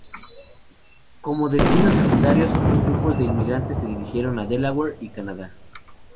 Como destinos secundarios, otros grupos de inmigrantes se dirigieron a Delaware y Canadá.